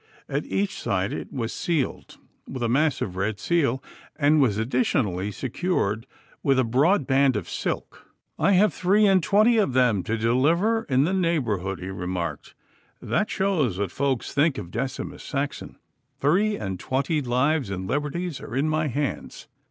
At each side it was sealed with a massive red seal, and was additionally secured with a broad band of silk. 'I have three and twenty of them to deliver in the neighbourhood,' he remarked. 'That shows what folk think of Decimus Saxon. Three and twenty lives and liberties are in my hands.